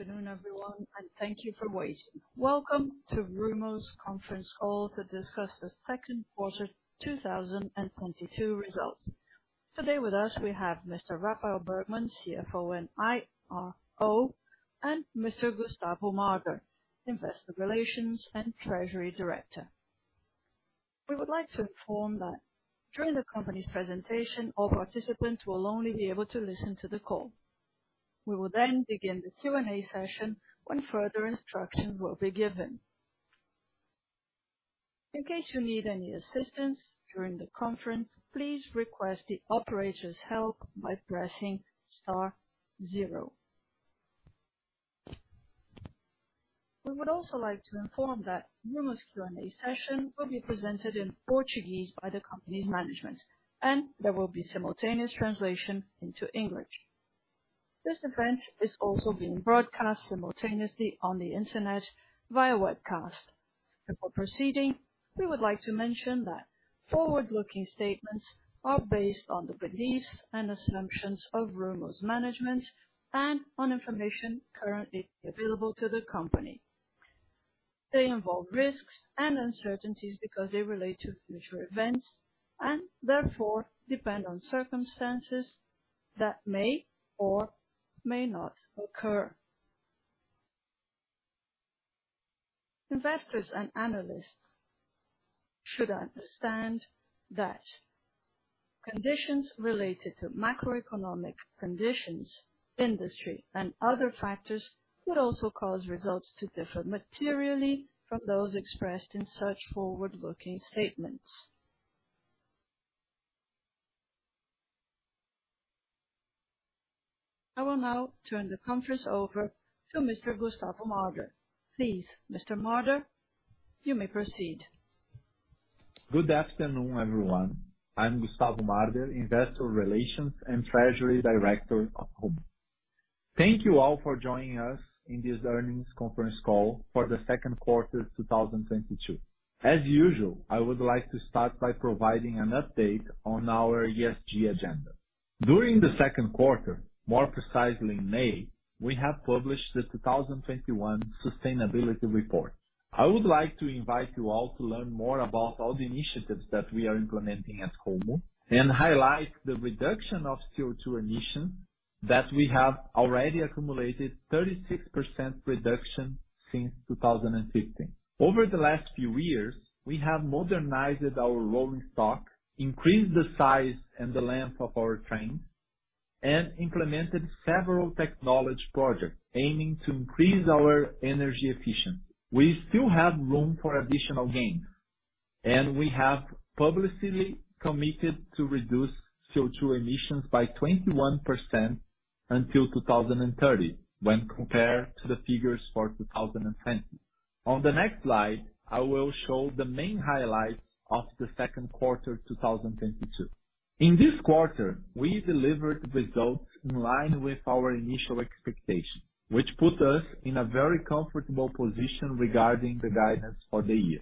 Afternoon, everyone, and thank you for waiting. Welcome to Rumo's Conference Call to discuss the Q2 2022 results. Today with us we have Mr. Rafael Bergman, CFO and IRO, and Mr. Gustavo Marder, Investor Relations and Treasury Director. We would like to inform that during the company's presentation, all participants will only be able to listen to the call. We will then begin the Q&A session when further instructions will be given. In case you need any assistance during the conference, please request the operator's help by pressing star zero. We would also like to inform that Rumo's Q&A session will be presented in Portuguese by the company's management, and there will be simultaneous translation into English. This event is also being broadcast simultaneously on the internet via webcast. Before proceeding, we would like to mention that forward-looking statements are based on the beliefs and assumptions of Rumo's management and on information currently available to the company. They involve risks and uncertainties because they relate to future events and therefore depend on circumstances that may or may not occur. Investors and analysts should understand that conditions related to macroeconomic conditions, industry, and other factors could also cause results to differ materially from those expressed in such forward-looking statements. I will now turn the conference over to Mr. Gustavo Marder. Please Mr. Marder, you may proceed. Good afternoon, everyone. I'm Gustavo Marder, Investor Relations and Treasury Director of Rumo. Thank you all for joining us in this earnings conference call for the second quarter 2022. As usual, I would like to start by providing an update on our ESG agenda. During the second quarter, more precisely in May, we have published the 2021 sustainability report. I would like to invite you all to learn more about all the initiatives that we are implementing at Rumo and highlight the reduction of CO2 emissions that we have already accumulated 36% reduction since 2015. Over the last few years, we have modernized our rolling stock, increased the size and the length of our trains, and implemented several technology projects aiming to increase our energy efficiency. We still have room for additional gains and we have publicly committed to reduce CO2 emissions by 21% until 2030 when compared to the figures for 2010. On the next slide, I will show the main highlights of the second quarter 2022. In this quarter, we delivered results in line with our initial expectations which put us in a very comfortable position regarding the guidance for the year.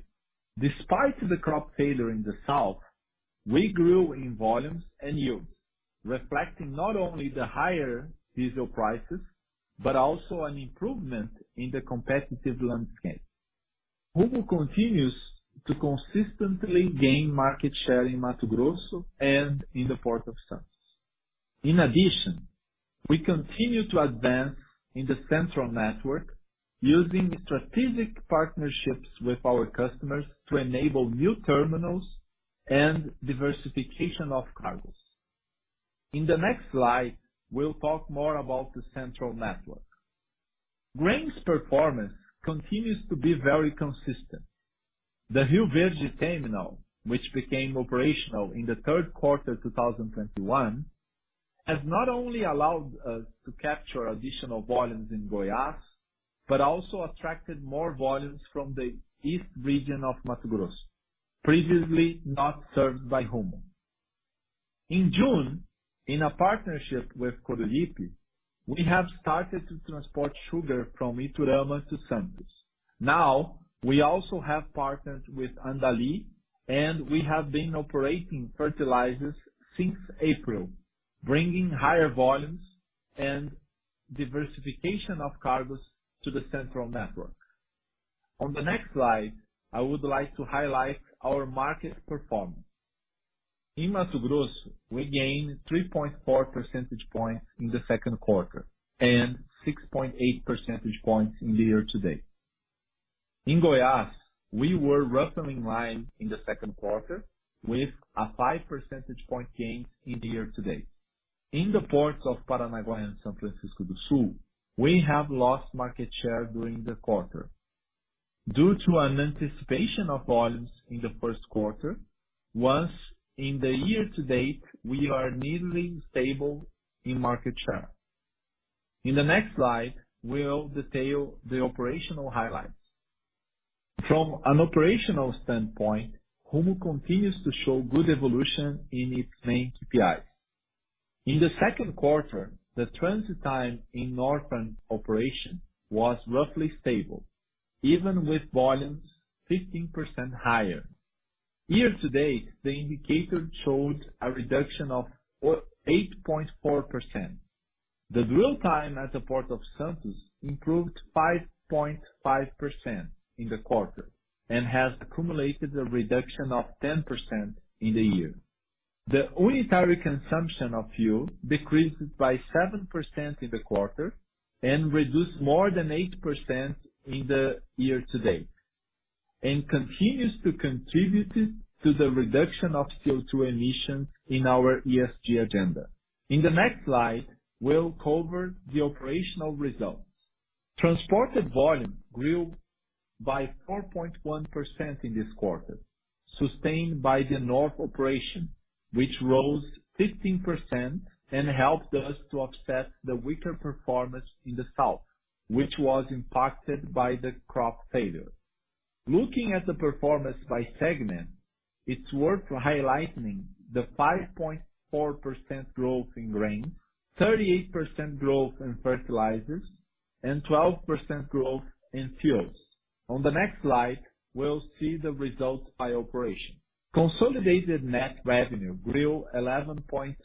Despite the Crop failure in the south, we grew in volumes and Yield, reflecting not only the higher diesel prices, but also an improvement in the competitive landscape. Rumo continues to consistently gain market share in Mato Grosso and in the Port of Santos. In addition, we continue to advance in the Malha Central using strategic partnerships with our customers to enable new terminals and diversification of cargoes. In the next slide, we'll talk more about the Malha Central. Grains performance continues to be very consistent. The Rio Verde terminal, which became operational in the third quarter 2021, has not only allowed us to capture additional volumes in Goiás, but also attracted more volumes from the east region of Mato Grosso, previously not served by Rumo. In June, in a partnership with Copersucar, we have started to transport sugar from Iturama to Santos. Now, we also have partnered with Andali, and we have been operating fertilizers since April, bringing higher volumes and diversification of cargoes to the Malha Central. On the next slide, I would like to highlight our market performance. In Mato Grosso, we gained 3.4 percentage points in the second quarter and 6.8 percentage points in the year to date. In Goiás, we were roughly in line in the second quarter with a 5% point gain in the year-to-date. In the ports of Paranaguá and São Francisco do Sul, we have lost market share during the quarter. Due to an anticipation of volumes in the first quarter, once in the year-to-date, we are nearly stable in market share. In the next slide, we'll detail the operational highlights. From an operational standpoint, Rumo continues to show good evolution in its main KPIs. In the second quarter, the transit time in Northern Operation was roughly stable, even with volumes 15% higher. Year-to-date, the indicator showed a reduction of 8.4%. The dwell time at the Porto de Santos improved 5.5% in the quarter, and has accumulated a reduction of 10% in the year. The unitary consumption of fuel decreased by 7% in the quarter and reduced more than 8% in the year-to-date, and continues to contribute to the reduction of CO2 emissions in our ESG agenda. In the next slide, we'll cover the operational results. Transported volume grew by 4.1% in this quarter, sustained by the North operation, which rose 15% and helped us to offset the weaker performance in the South, which was impacted by the crop failure. Looking at the performance by segment, it's worth highlighting the 5.4% growth in grain, 38% growth in fertilizers, and 12% growth in fuels. On the next slide, we'll see the results by operation. Consolidated net revenue grew 11.2%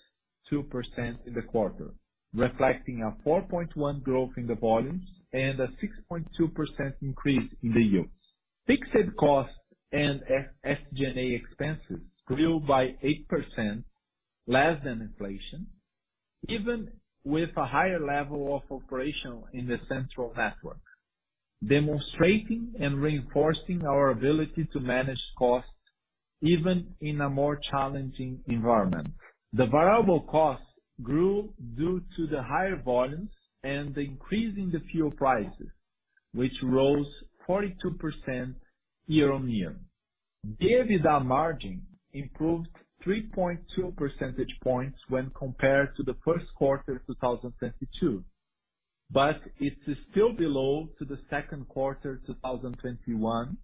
in the quarter, reflecting a 4.1 growth in the volumes and a 6.2% increase in the Yields. Fixed costs and SG&A expenses grew by 8% less than inflation, even with a higher level of operation in the Malha Central, demonstrating and reinforcing our ability to manage costs even in a more challenging environment. The variable costs grew due to the higher volumes and the increase in the fuel prices, which rose 42% year-on-year. EBITDA margin improved 3.2 percentage points when compared to the first quarter of 2022, but it is still below the second quarter 2021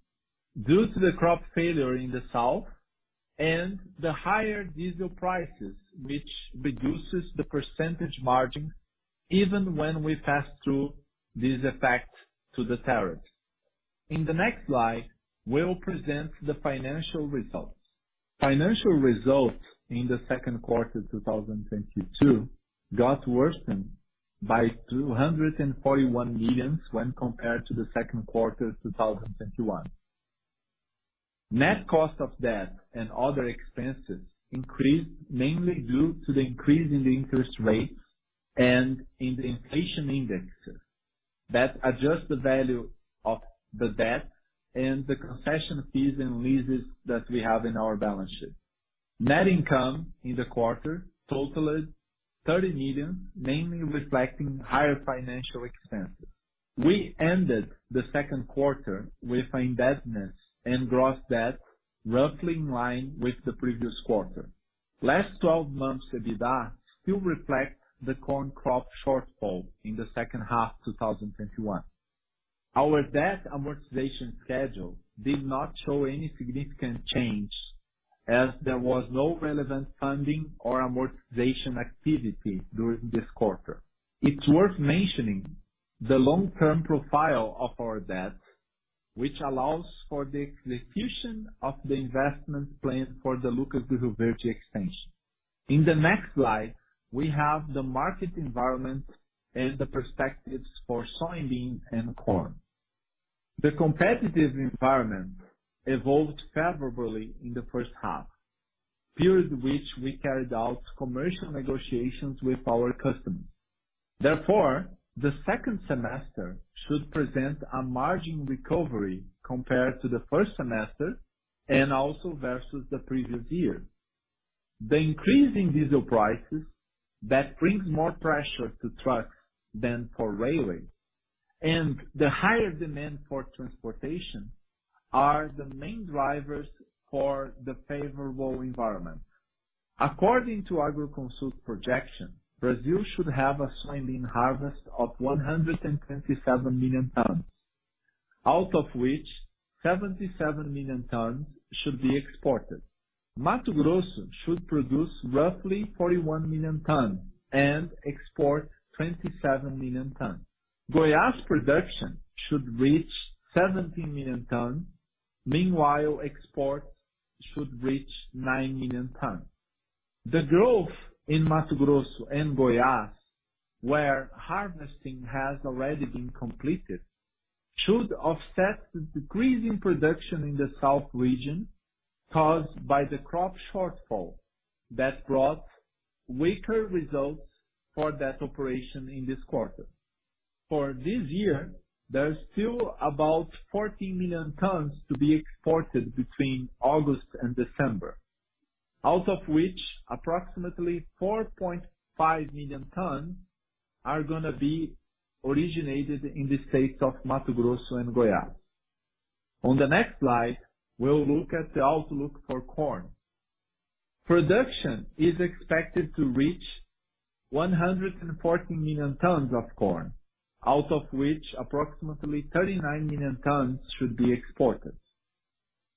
due to the crop failure in the South and the higher diesel prices, which reduces the percentage margin even when we pass through these effects to the tariff. In the next slide, we'll present the financial results. Financial results in the second quarter of 2022 got worsened by 241 million when compared to the second quarter of 2021. Net cost of debt and other expenses increased, mainly due to the increase in the interest rates and in the inflation indexes that adjust the value of the debt and the concession fees and leases that we have in our balance sheet. Net income in the quarter totaled 30 million, mainly reflecting higher financial expenses. We ended the second quarter with indebtedness and gross debt roughly in line with the previous quarter. Last twelve months EBITDA still reflect the corn crop shortfall in the second half 2021. Our debt amortization schedule did not show any significant change as there was no relevant funding or amortization activity during this quarter. It's worth mentioning the long-term profile of our debt, which allows for the execution of the investment plans for the Lucas do Rio Verde expansion. In the next slide, we have the market environment and the perspectives for soybean and corn. The competitive environment evolved favorably in the first half, period which we carried out commercial negotiations with our customers. Therefore, the second semester should present a margin recovery compared to the first semester and also versus the previous year. The increase in diesel prices that brings more pressure to trucks than for railway and the higher demand for transportation are the main drivers for the favorable environment. According to Agroconsult projection, Brazil should have a soybean harvest of 127 million tons, out of which 77 million tons should be exported. Mato Grosso should produce roughly 41 million tons and export 27 million tons. Goiás production should reach 17 million tons, meanwhile, exports should reach 9 million tons. The growth in Mato Grosso and Goiás, where harvesting has already been completed should offset the decrease in production in the South region caused by the crop shortfall that brought weaker results for that operation in this quarter. For this year, there's still about 14 million tons to be exported between August and December out of which approximately 4.5 million tons are gonna be originated in the states of Mato Grosso and Goiás. On the next slide, we'll look at the outlook for corn. Production is expected to reach 114 million tons of corn, out of which approximately 39 million tons should be exported.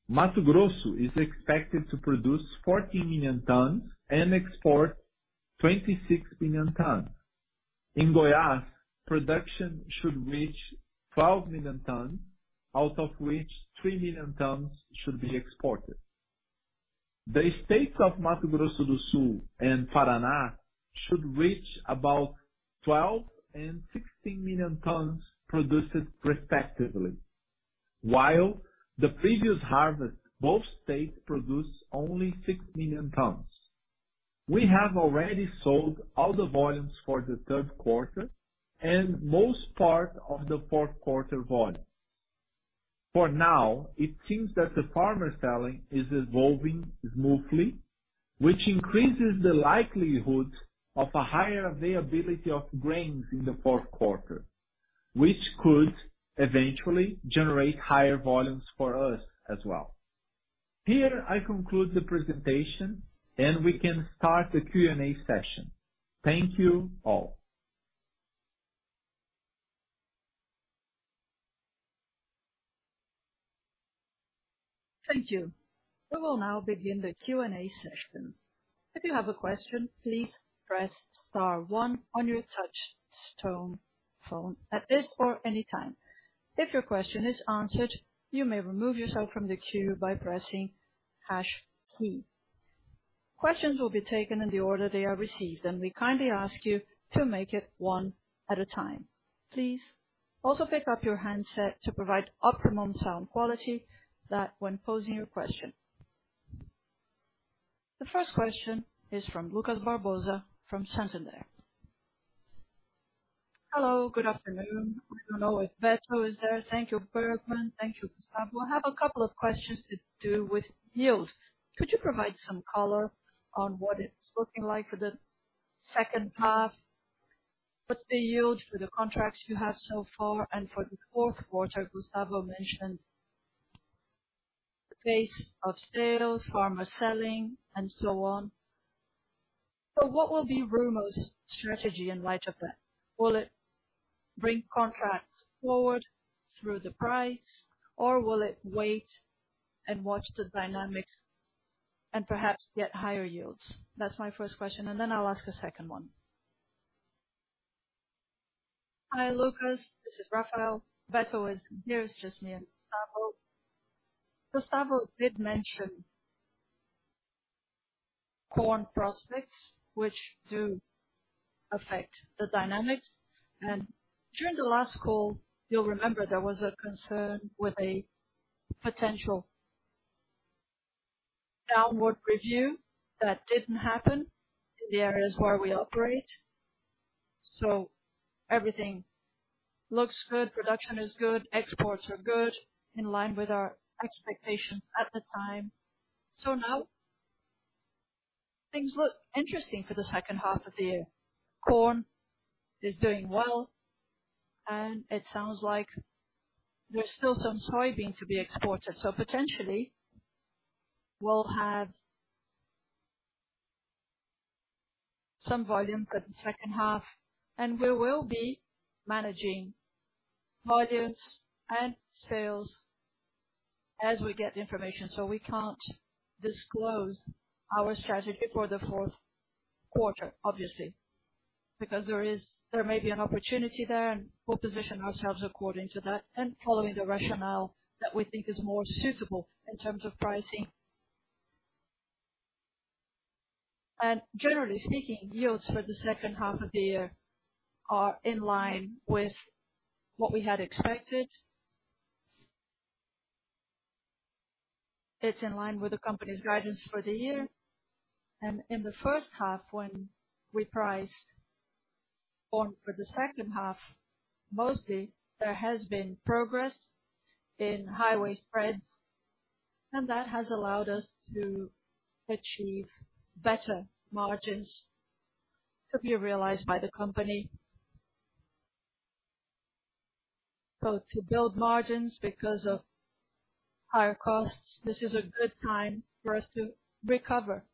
Mato Grosso is expected to produce 14 million tons and export 26 million tons. In Goiás, production should reach 12 million tons, out of which 3 million tons should be exported. The states of Mato Grosso do Sul and Paraná should reach about 12 million tons and 16 million tons produced respectively. While the previous harvest, both states produced only 6 million tons. We have already sold all the volumes for the third quarter and most part of the fourth quarter volume. For now, it seems that the farmer selling is evolving smoothly, which increases the likelihood of a higher availability of grains in the fourth quarter, which could eventually generate higher volumes for us as well. Here I conclude the presentation, and we can start the Q&A session. Thank you all. Thank you. We will now begin the Q&A session. If you have a question, please press star one on your touch-tone phone at this or any time. If your question is answered, you may remove yourself from the queue by pressing hash key. Questions will be taken in the order they are received, and we kindly ask you to make it one at a time. Please also pick up your handset to provide optimum sound quality so that when posing your question. The first question is from Lucas Barbosa from Santander. Hello, good afternoon. I don't know if Beto is there. Thank you, Bergman. Thank you, Gustavo. I have a couple of questions to do with Yield. Could you provide some color on what it's looking like for the second half? What's the Yield for the contracts you have so far and for the fourth quarter? Gustavo mentioned the pace of sales, farmer selling, and so on. What will be Rumo's strategy in light of that? Will it bring contracts forward through the price or will it wait and watch the dynamics and perhaps get higher Yields? That's my first question and then I'll ask a second one. Hi, Lucas. This is Rafael. Beto is here. It's just me and Gustavo. Gustavo did mention corn prospects, which do affect the dynamics. During the last call you'll remember there was a concern with a potential downward review that didn't happen in the areas where we operate. Everything looks good, production is good, exports are good, in line with our expectations at the time. Now things look interesting for the second half of the year. Corn is doing well, and it sounds like there's still some soybean to be exported. Potentially, we'll have some volume for the second half and we will be managing volumes and sales as we get information. We can't disclose our strategy for the fourth quarter obviously, because there may be an opportunity there, and we'll position ourselves according to that and following the rationale that we think is more suitable in terms of pricing. Generally speaking, Yields for the second half of the year are in line with what we had expected. It's in line with the company's guidance for the year. In the first half, when we priced on for the second half, mostly there has been progress in highway spreads, and that has allowed us to achieve better margins to be realized by the company. To build margins because of higher costs this is a good time for us to recover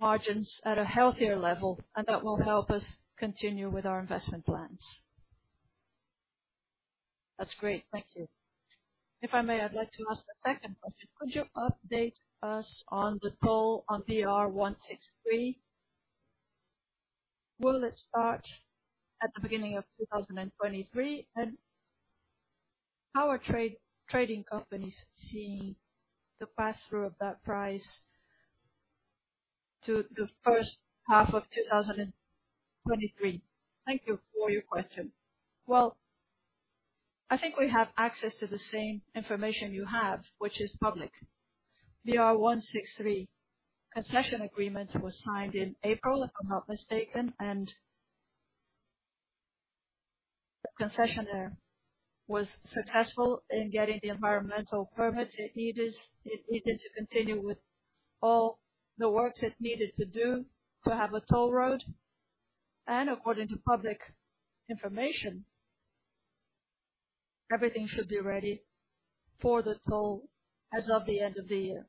margins at a healthier level and that will help us continue with our investment plans. That's great. Thank you. If I may, I'd like to ask a second question. Could you update us on the toll on BR-163? Will it start at the beginning of 2023? And how are trading companies seeing the pass-through of that price to the first half of 2023? Thank you for your question. Well, I think we have access to the same information you have which is public. BR-163 concession agreement was signed in April, if I'm not mistaken and the concessionaire was successful in getting the environmental permits it needed to continue with all the works it needed to do to have a toll road. According to public information everything should be ready for the toll as of the end of the year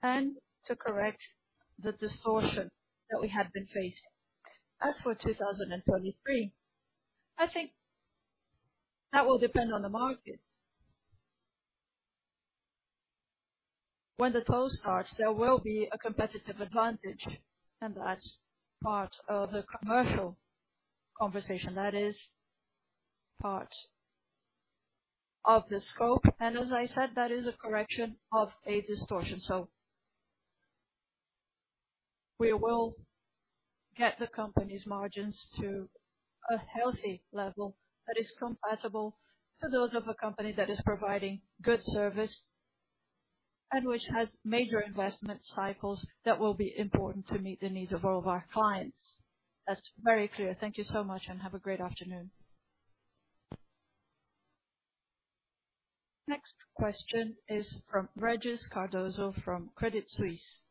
and to correct the distortion that we had been facing. As for 2023, I think that will depend on the market. When the toll starts there will be a competitive advantage and that's part of the commercial conversation. That is part of the scope. As I said, that is a correction of a distortion. We will get the company's margins to a healthy level that is compatible to those of a company that is providing good service and which has major investment cycles that will be important to meet the needs of all of our clients. That's very clear. Thank you so much, and have a great afternoon. Next question is from Régis Cardoso from Credit Suisse.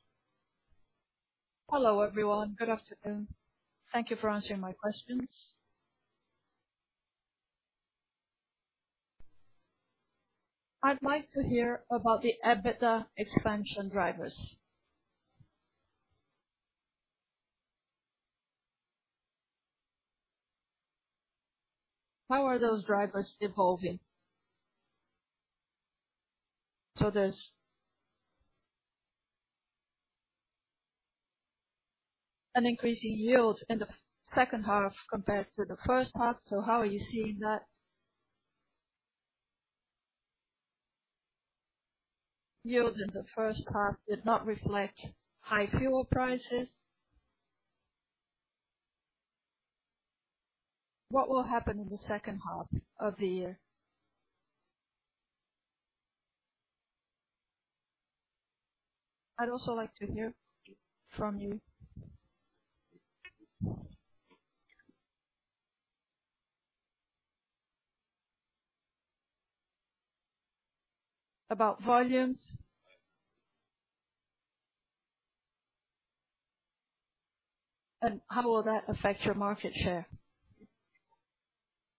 Hello, everyone. Good afternoon. Thank you for answering my questions. I'd like to hear about the EBITDA expansion drivers. How are those drivers evolving? There's an increase in Yield in the second half compared to the first half. How are you seeing that? Yield in the first half did not reflect high fuel prices. What will happen in the second half of the year? I'd also like to hear from you about volumes. How will that affect your market share?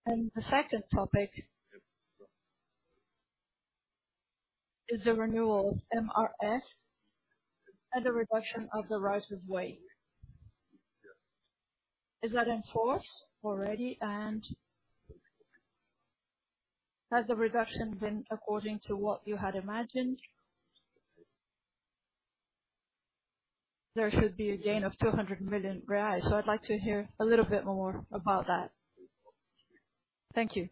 The second topic is the renewal of MRS and the reduction of the rights of way. Is that in force already? Has the reduction been according to what you had imagined? There should be a gain of 200 million reais, so I'd like to hear a little bit more about that. Thank you.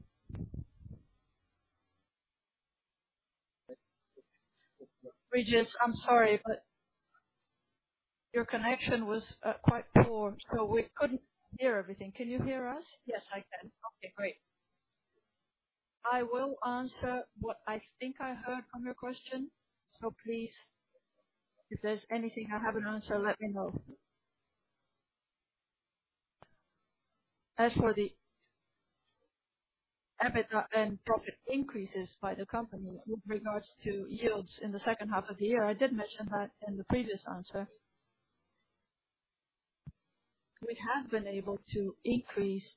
Régis, I'm sorry, but your connection was quite poor, so we couldn't hear everything. Can you hear us? Yes, I can. Okay, great. I will answer what I think I heard from your question. Please, if there's anything I haven't answered let me know. As for the EBITDA and profit increases by the company with regards to Yields in the second half of the year, I did mention that in the previous answer. We have been able to increase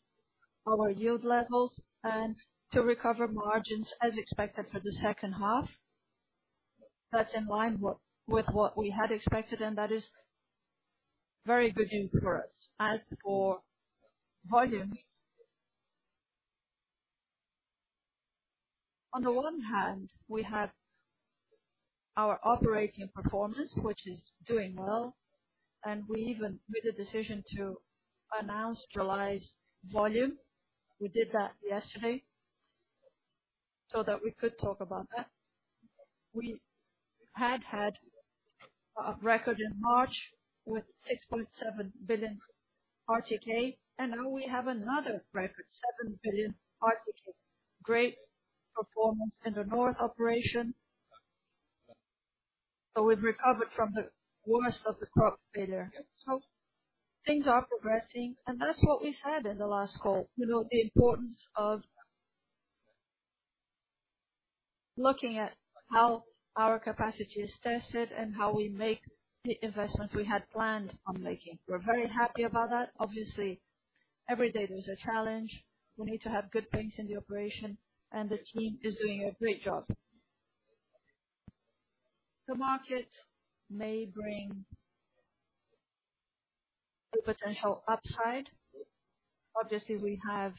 our Yield levels and to recover margins as expected for the second half. That's in line with what we had expected and that is very good news for us. As for volumes, on the one hand, we have our operating performance which is doing well, and we even made a decision to announce July's volume. We did that yesterday so that we could talk about that. We had a record in March with 6.7 billion RTK, and now we have another record, 7 billion RTK. Great performance in the Northern Operation. We've recovered from the worst of the crop failure. Things are progressing and that's what we said in the last call. You know, the importance of looking at how our capacity is tested and how we make the investments we had planned on making. We're very happy about that. Obviously, every day there's a challenge. We need to have good things in the operation, and the team is doing a great job. The market may bring a potential upside. Obviously, we have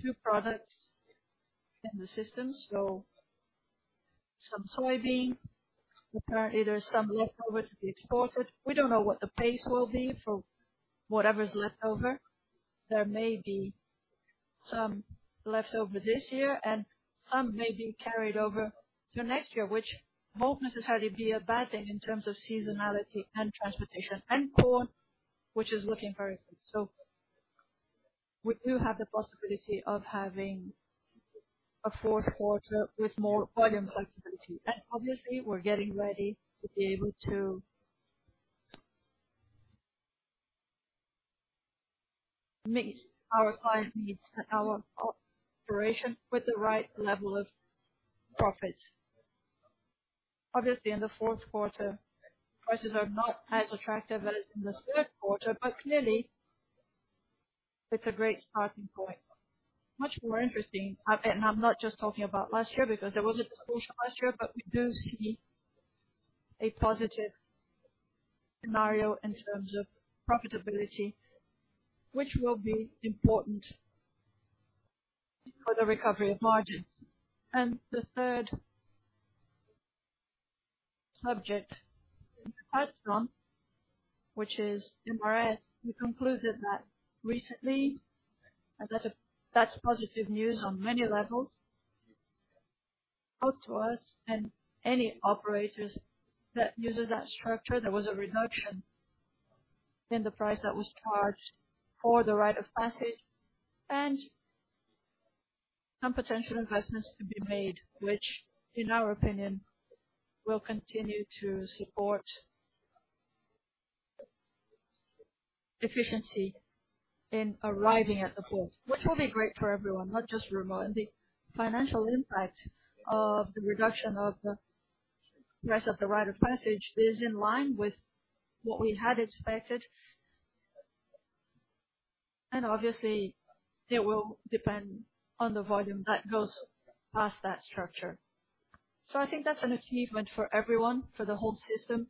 two products in the system, so some soybean. Apparently, there's some left over to be exported. We don't know what the pace will be for whatever is left over. There may be some left over this year, and some may be carried over to next year, which won't necessarily be a bad thing in terms of seasonality and transportation and corn, which is looking very good. We do have the possibility of having a fourth quarter with more volume flexibility. Obviously, we're getting ready to be able to meet our client needs and our operation with the right level of profit. Obviously, in the fourth quarter, prices are not as attractive as in the third quarter, but clearly it's a great starting point. Much more interesting, and I'm not just talking about last year because there was a distortion last year, but we do see a positive scenario in terms of profitability, which will be important for the recovery of margins. The third subject which is MRS, we concluded that recently that's positive news on many levels. Both to us and any operators that uses that structure. There was a reduction in the price that was charged for the right of passage and some potential investments to be made which in our opinion, will continue to support efficiency in arriving at the port, which will be great for everyone, not just Rumo. The financial impact of the reduction of the rest of the right of passage is in line with what we had expected. Obviously, it will depend on the volume that goes past that structure. I think that's an achievement for everyone for the whole system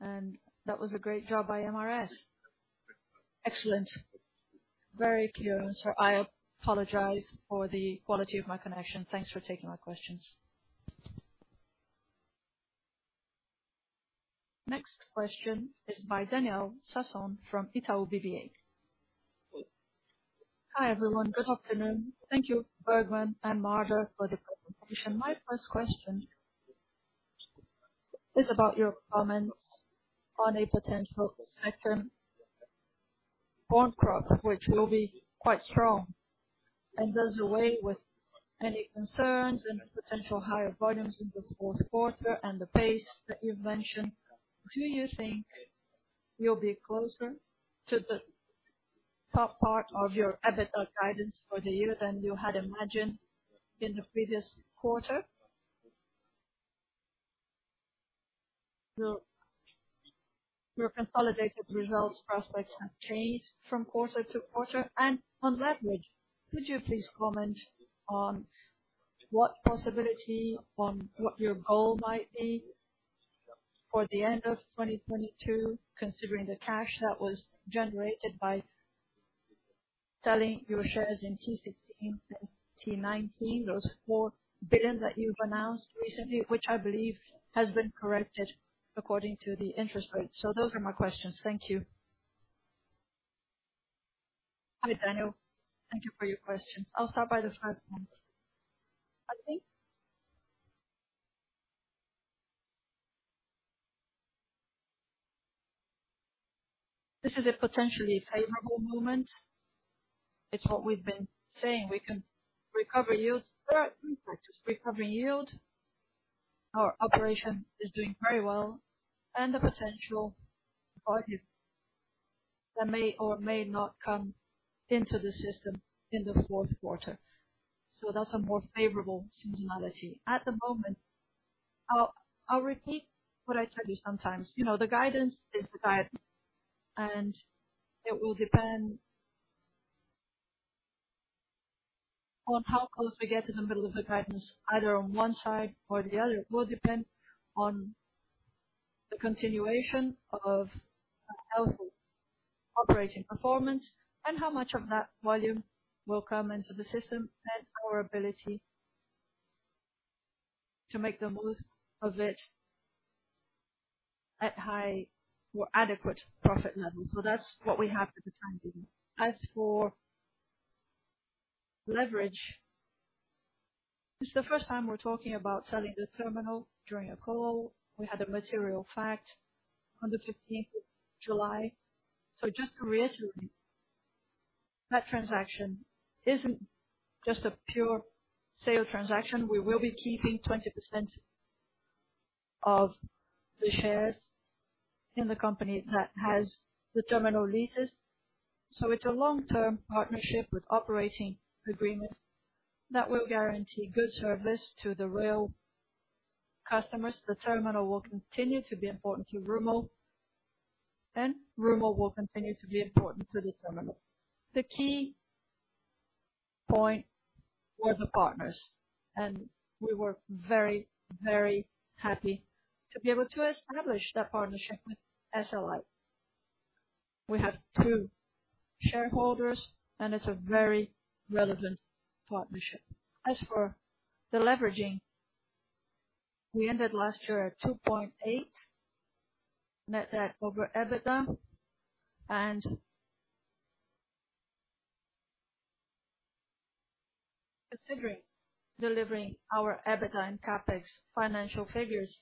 and that was a great job by MRS. Excellent. Very clear answer. I apologize for the quality of my connection. Thanks for taking my questions. Next question is by Daniel Sasson from Itaú BBA. Hi, everyone. Good afternoon. Thank you, Bergman and Marder, for the presentation. My first question is about your comments on a potential second corn crop, which will be quite strong and does away with any concerns and potential higher volumes in the fourth quarter and the pace that you've mentioned. Do you think you'll be closer to the top part of your EBITDA guidance for the year than you had imagined in the previous quarter? Your consolidated results prospects have changed from quarter to quarter. On leverage, could you please comment on the possibility of what your goal might be for the end of 2022, considering the cash that was generated by selling your shares in T16 and T19, those 4 billion that you've announced recently, which I believe has been corrected according to the interest rate. Those are my questions. Thank you. Hi, Daniel. Thank you for your questions. I'll start by the first one. I think this is a potentially favorable moment. It's what we've been saying. We can recover Yields. There are three factors recovery Yield. Our operation is doing very well and the potential volume that may or may not come into the system in the fourth quarter. That's a more favorable seasonality. At the moment, I'll repeat what I tell you sometimes. You know, the guidance is the guidance, and it will depend on how close we get to the middle of the guidance, either on one side or the other. It will depend on the continuation of a healthy operating performance and how much of that volume will come into the system and our ability to make the most of it at high or adequate profit levels. That's what we have at the time being. As for leverage, it's the first time we're talking about selling the terminal during a call. We had a material fact on the 15th of July. Just to reiterate that transaction isn't just a pure sale transaction. We will be keeping 20% of the shares in the company that has the terminal leases. It's a long-term partnership with operating agreements that will guarantee good service to the rail customers. The terminal will continue to be important to Rumo, and Rumo will continue to be important to the terminal. The key point were the partners and we were very, very happy to be able to establish that partnership with SLC Agrícola. We have two shareholders and it's a very relevant partnership. As for the leveraging, we ended last year at 2.8 Net Debt/EBITDA, and considering delivering our EBITDA, and CapEx financial figures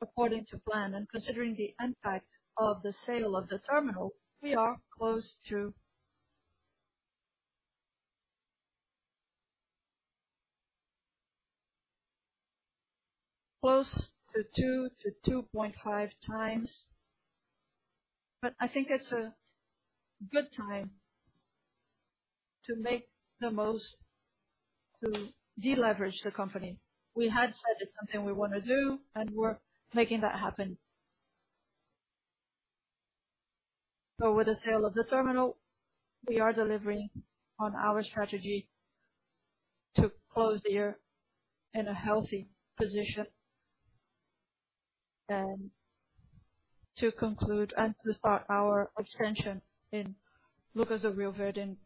according to plan, and considering the impact of the sale of the terminal we are close to 2x-2.5x. I think it's a good time to make the move to deleverage the company. We had said it's something we wanna do and we're making that happen. With the sale of the terminal, we are delivering on our strategy to close the year in a healthy position. To conclude and to start our expansion in Lucas do Rio Verde in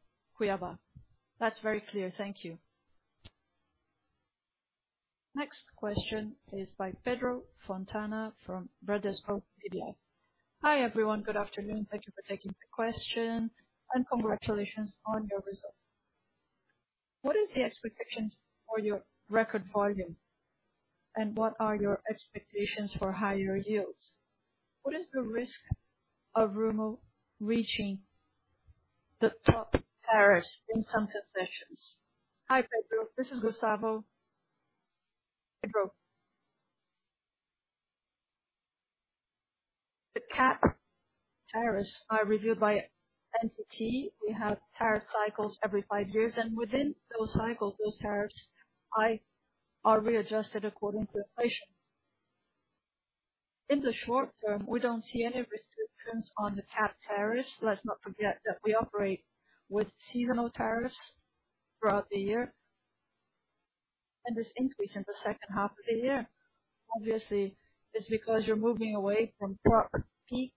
Cuiabá. That's very clear. Thank you. Next question is by Andre Ferreira from Bradesco BBI. Hi, everyone. Good afternoon. Thank you for taking the question and congratulations on your results. What is the expectations for your record volume and what are your expectations for higher Yields? What is the risk of Rumo reaching the top tariffs in some concessions? Hi, Andre Ferreira. This is Gustavo Marder. The cap tariffs are reviewed by ANTT. We have tariff cycles every five years, and within those cycles, those tariffs are readjusted according to inflation. In the short term, we don't see any restrictions on the cap tariffs. Let's not forget that we operate with seasonal tariffs throughout the year and this increase in the second half of the year obviously is because you're moving away from proper peak.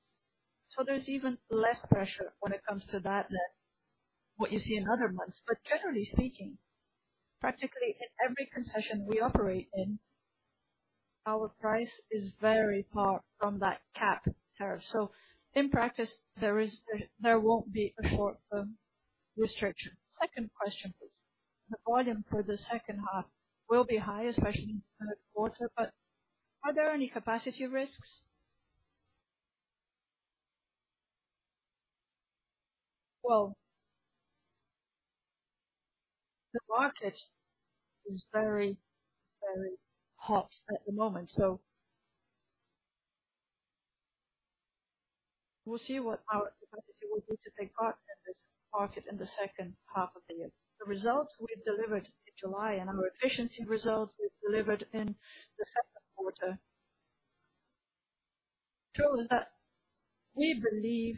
There's even less pressure when it comes to that than what you see in other months. Generally speaking, practically in every concession we operate in, our price is very far from that cap tariff. In practice, there won't be a short-term restriction. Second question, please. The volume for the second half will be high especially in the third quarter. Are there any capacity risks? Well, the market is very, very hot at the moment, so we'll see what our capacity will be to take part in this market in the second half of the year. The results we've delivered in July and our efficiency results we've delivered in the second quarter shows that we believe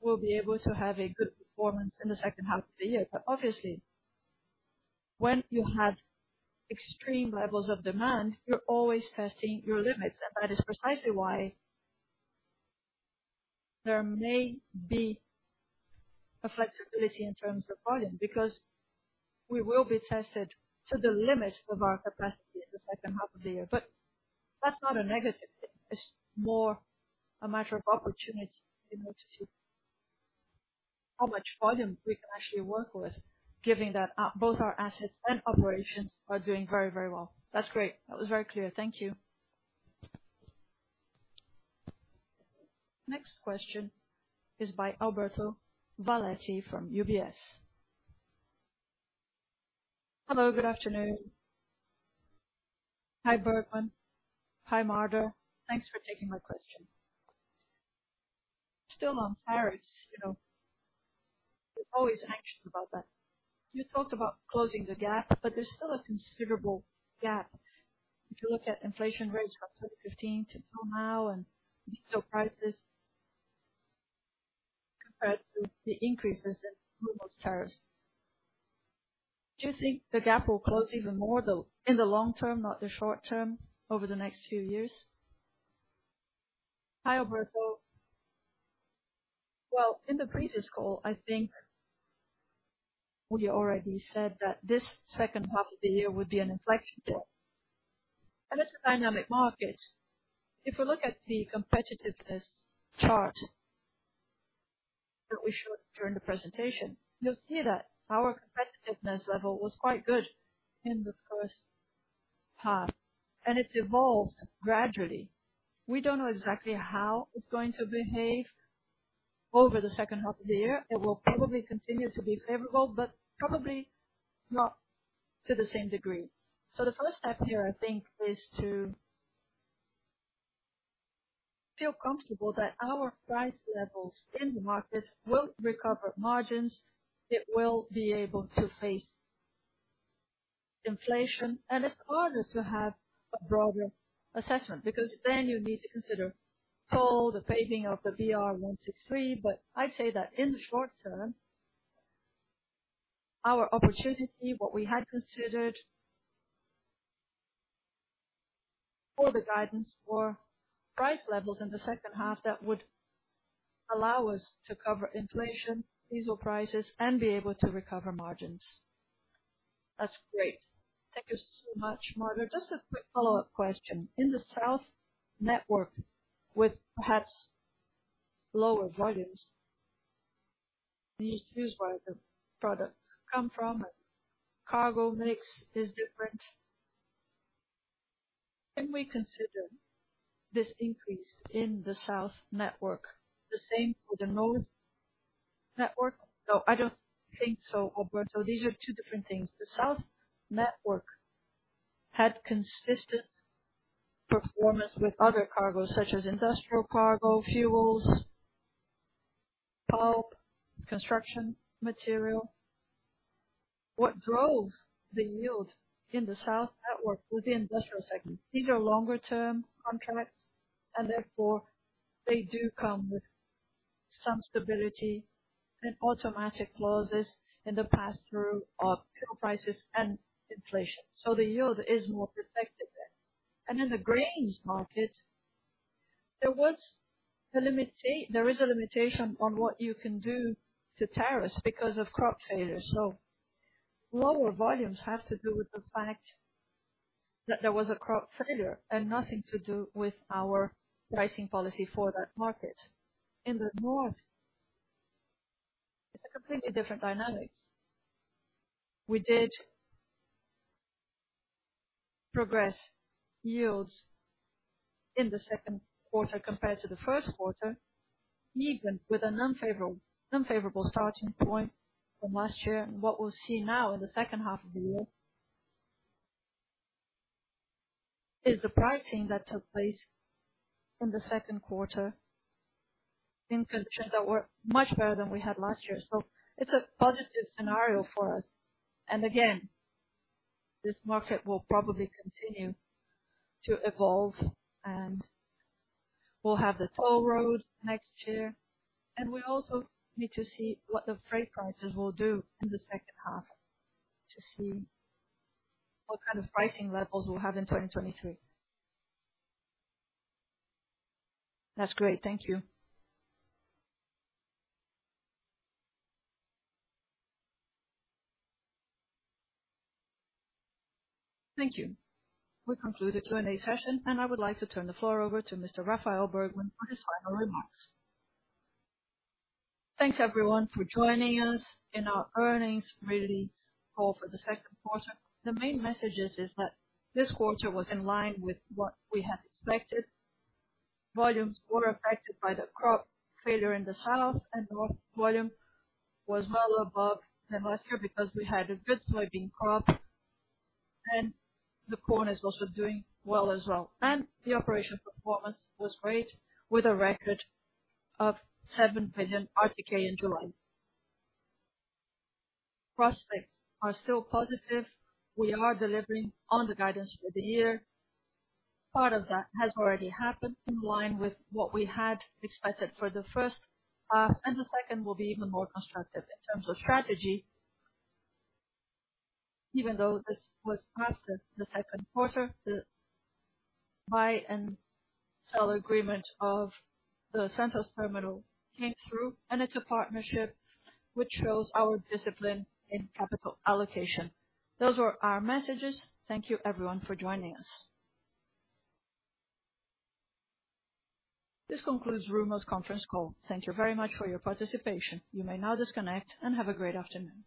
we'll be able to have a good performance in the second half of the year. Obviously, when you have extreme levels of demand, you're always testing your limits. That is precisely why there may be a flexibility in terms of volume because we will be tested to the limit of our capacity in the second half of the year. That's not a negative thing. It's more a matter of opportunity in order to how much volume we can actually work with given that both our assets and operations are doing very, very well. That's great. That was very clear. Thank you. Next question is by Alberto Valerio from UBS. Hello, good afternoon. Hi, Bergman. Hi, Marder. Thanks for taking my question. Still on tariffs, you know we're always anxious about that. You talked about closing the gap but there's still a considerable gap. If you look at inflation rates from 2015 to till now and diesel prices compared to the increases in Rumo's tariffs, do you think the gap will close even more though, in the long term, not the short term, over the next few years? Hi, Alberto. Well, in the previous call, I think we already said that this second half of the year would be an inflection point, and it's a dynamic market. If we look at the competitiveness chart that we showed during the presentation you'll see that our competitiveness level was quite good in the first half and it's evolved gradually. We don't know exactly how it's going to behave over the second half of the year. It will probably continue to be favorable but probably not to the same degree. The first step here, I think is to feel comfortable that our price levels in the market will recover margins, it will be able to face inflation, and it's harder to have a broader assessment because then you need to consider toll the paving of the BR-163. I'd say that in the short term, our opportunity, what we had considered for the guidance for price levels in the second half that would allow us to cover inflation, diesel prices, and be able to recover margins. That's great. Thank you so much, Marda. Just a quick follow-up question. In the south network with perhaps lower volumes, it needs to choose where the products come from and cargo mix is different. Can we consider this increase in the south network the same for the north network? No, I don't think so, Alberto. These are two different things. The south network had consistent performance with other cargo, such as industrial cargo, fuels, pulp, construction material. What drove the Yield in the south network was the industrial segment. These are longer-term contracts, and therefore they do come with some stability and automatic clauses in the pass-through of fuel prices and inflation so the Yield is more protected then. In the grains market, there was a limitation—there is a limitation on what you can do to tariffs because of crop failures. Lower volumes have to do with the fact that there was a crop failure and nothing to do with our pricing policy for that market. In the North, it's a completely different dynamic. We did progress Yields in the second quarter compared to the first quarter even with an unfavorable starting point from last year. What we'll see now in the second half of the year is the pricing that took place in the second quarter in conditions that were much better than we had last year. It's a positive scenario for us. Again, this market will probably continue to evolve and we'll have the toll road next year. We also need to see what the freight prices will do in the second half to see what kind of pricing levels we'll have in 2023. That's great. Thank you. Thank you. We conclude the Q&A session, and I would like to turn the floor over to Mr. Rafael Bergman for his final remarks. Thanks everyone, for joining us in our earnings release call for the second quarter. The main message is that this quarter was in line with what we had expected. volumes were affected by the crop failure in the South and North volume was well above than last year because we had a good soybean crop and the corn is also doing well. The operation performance was great with a record of 7 billion RTK in July. Prospects are still positive. We are delivering on the guidance for the year. Part of that has already happened in line with what we had expected for the first half, and the second will be even more constructive. In terms of strategy, even though this was past the second quarter, the buy and sell agreement of the Santos terminal came through, and it's a partnership which shows our discipline in capital allocation. Those were our messages. Thank you everyone for joining us. This concludes Rumo's conference call. Thank you very much for your participation. You may now disconnect and have a great afternoon.